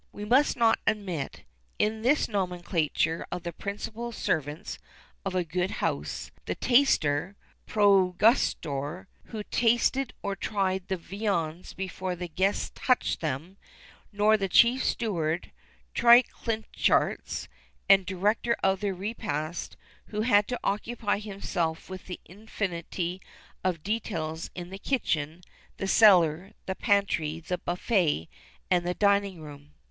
[XXXIII 26] We must not omit, in this nomenclature of the principal servants of a good house, the taster (prægustator), who tasted or tried the viands before the guests touched them;[XXXIII 27] nor the chief steward (triclinarches), and director of the repast, who had to occupy himself with an infinity of details in the kitchen, the cellar, the pantry, the buffet, and the dining room.